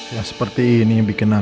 ya seperti ini bikin aku marah